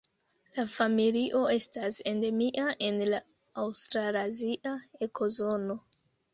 La familio estas endemia en la aŭstralazia ekozono.